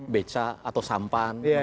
beca atau sampan